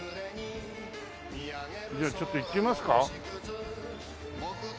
じゃあちょっと行ってみますか？